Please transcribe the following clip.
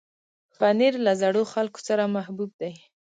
پنېر له زړو خلکو سره محبوب دی.